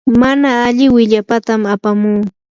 mana alli willapatam apamuu.